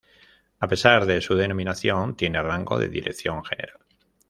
A pesar de su denominación, tiene rango de dirección general.